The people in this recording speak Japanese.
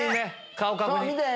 顔確認！